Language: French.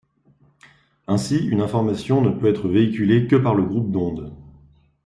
Ainsi, une information ne peut être véhiculée que par le groupe d’onde.